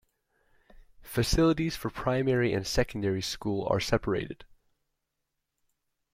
Facilities for primary and secondary school are separated.